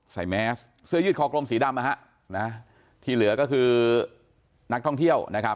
แมสเสื้อยืดคอกลมสีดำนะฮะที่เหลือก็คือนักท่องเที่ยวนะครับ